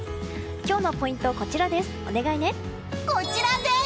今日のポイント、こちらです。